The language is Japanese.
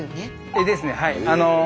絵ですねはい。